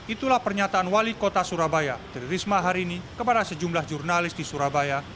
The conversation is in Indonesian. itulah pernyataan wali kota surabaya tri risma hari ini kepada sejumlah jurnalis di surabaya